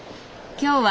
今日はね